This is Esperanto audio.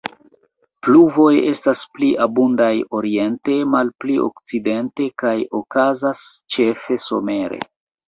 Pluvoj estas pli abundaj oriente, malpli okcidente, kaj okazas ĉefe somere.